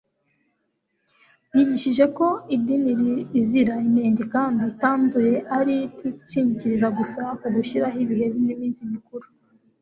Yigishije ko idini izira inenge kandi itanduye ari itishingikiriza gusa ku gushyiraho ibihe n'iminsi mikuru.